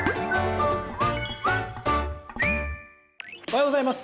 おはようございます。